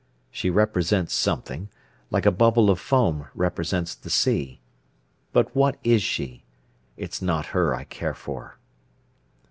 She represents something, like a bubble of foam represents the sea. But what is she? It's not her I care for."